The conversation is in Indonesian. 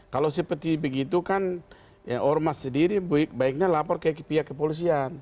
kalau seperti begitu kan ya ormas sendiri baiknya lapor ke pihak kepolisian